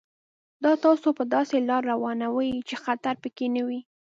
دا تاسو په داسې لار روانوي چې خطر پکې نه وي.